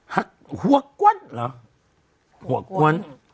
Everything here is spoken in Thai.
หักหัวกว้น